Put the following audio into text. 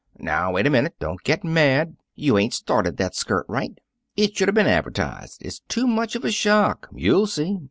"Now wait a minute. Don't get mad. You ain't started that skirt right. It should have been advertised. It's too much of a shock. You'll see.